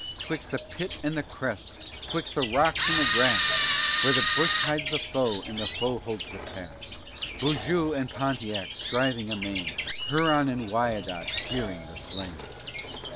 'Twixt the pit and the crest, 'twixt the rocks and the grass, Where the bush hides the foe, and the foe holds the pass, Beaujeu and Pontiac, striving amain; Huron and Wyandot, jeering the slain!